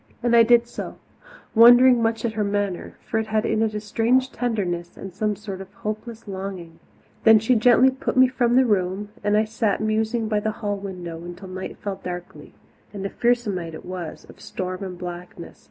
And I did so, wondering much at her manner for it had in it a strange tenderness and some sort of hopeless longing. Then she gently put me from the room, and I sat musing by the hall window until night fell darkly and a fearsome night it was, of storm and blackness.